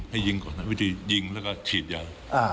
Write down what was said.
ให้ยิงก่อนวิธียิงแล้วก็ฉีดยา